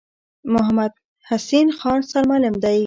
محمدحسین خان سرمعلم دی.